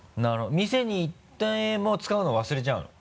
店に行っても使うの忘れちゃうの？